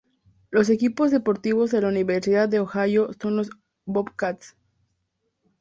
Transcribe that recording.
Los equipos deportivos de la Universidad de Ohio son los "Bobcats.